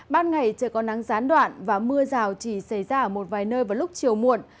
ban ngày trời có nắng gián đoạn và mưa rào chỉ xảy ra ở một vài nơi vào lúc chiều muộn